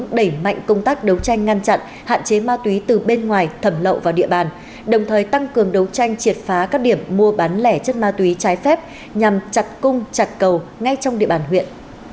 đẩy mạnh công tác đấu tranh ngăn chặn hạn chế ma túy từ bên ngoài thẩm lậu vào địa bàn đồng thời tăng cường đấu tranh triệt phá các điểm mua bán lẻ chất ma túy trái phép nhằm chặt cung chặt cầu ngay trong địa bàn huyện